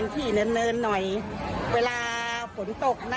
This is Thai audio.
ตนกล้วยก็รับถุงตรงนั้น